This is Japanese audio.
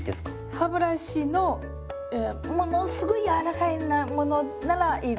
歯ブラシのものすごい軟らかいものならいいです。